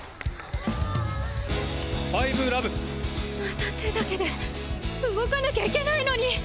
また手だけで動かなきゃいけないのに！